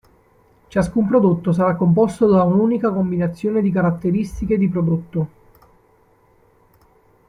Ciascun prodotto sarà composto da un'unica combinazione di caratteristiche di prodotto.